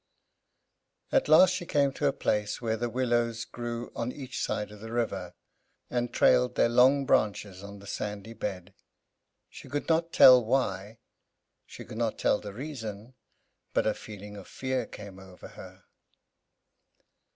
At last she came to a place where the willows grew on each side of the river, and trailed their long branches on the sandy bed. She could not tell why, she could not tell the reason, but a feeling of fear came over her.